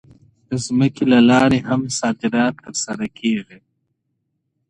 د ځمکې له لارې هم صادرات ترسره کېږي.